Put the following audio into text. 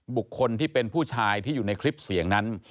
บุคคลที่เป็นผู้ชายที่อยู่ในคลิปเสียงนั้น